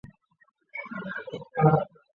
罕见遗传疾病一点通